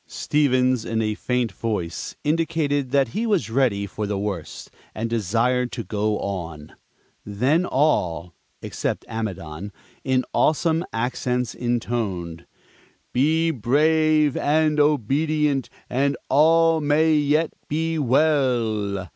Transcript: Stevens, in a faint voice, indicated that he was ready for the worst, and desired to go on. Then all (except Amidon) in awesome accents intoned, "Be brave and obedient, and all may yet be well!"